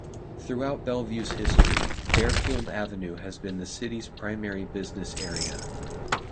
Throughout Bellevue's history, Fairfield Avenue has been the city's primary business area.